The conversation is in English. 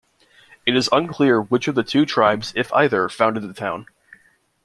It is unclear which of the two tribes, if either, founded the town.